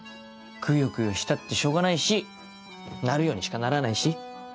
くよくよしたってしょうがないしなるようにしかならないし。